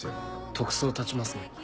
特捜立ちますね。